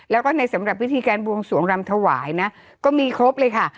แล้วก็ในสำหรับวิธีการบวงสวงรำถวายนะก็มีครบเลยค่ะ